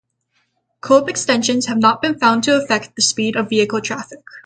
Curb extensions have not been found to affect the speed of vehicle traffic.